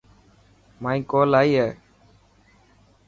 مائي ڪول آئي هي.